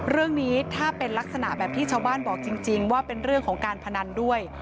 เรื่องนี้ถ้าเป็นลักษณะแบบที่ชาวบ้านบอกจริงว่าเป็นเรื่องของการพนันด้วย